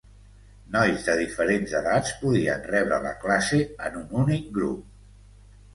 Nois de diferents edats podien rebre la classe en un únic grup.